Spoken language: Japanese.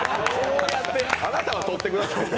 あなたは撮ってくださいよ。